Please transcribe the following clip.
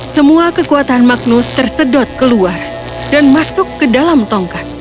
semua kekuatan magnus tersedot keluar dan masuk ke dalam tongkat